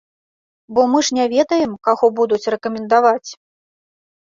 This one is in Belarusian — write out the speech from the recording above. Бо мы ж не ведаем, каго будуць рэкамендаваць?